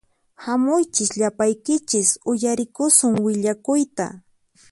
Hamuychis llapaykichis uyariykusun willakuyta